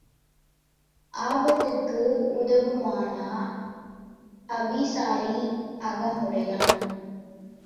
ஆபத்துக்கு உதவுவானா அவிசாரி அகமுடையான்.